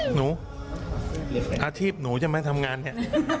หนูอาชีพหนูใช่ไหมทำงานเนี่ย